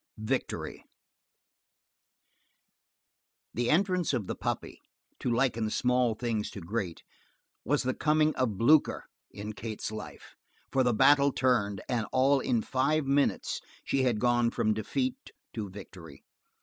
Victory The entrance of the puppy, to liken small things to great, was the coming of Blucher in Kate's life, for the battle turned, and all in five minutes she had gone from defeat to victory.